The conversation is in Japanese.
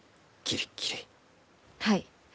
はい。